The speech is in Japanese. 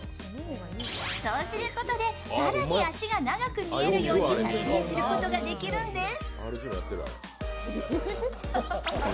そうすることで更に足が長く見えるように撮影することができるんです。